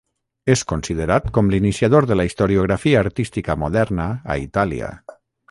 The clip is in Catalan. És considerat com l'iniciador de la historiografia artística moderna a Itàlia.